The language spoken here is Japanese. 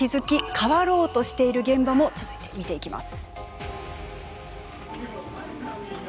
変わろうとしている現場も続いて見ていきます。